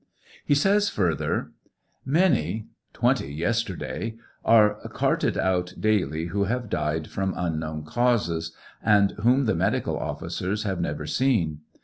He says further : Many, 20 yesterday, are carted out daily who have died from unknown causes, and whom themeclical officers have never seen.